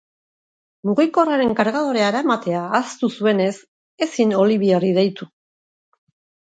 Mugikorraren kargadorea eramatea ahaztu zuenez, ezin Olivierri deitu.